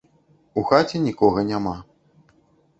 У хаце нікога няма.